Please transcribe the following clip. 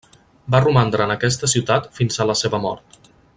Va romandre en aquesta ciutat fins a la seva mort.